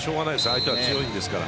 相手は強いですから。